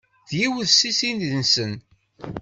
D yiwet si tid-nsen.